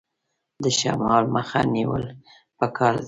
د شمال مخه نیول پکار دي؟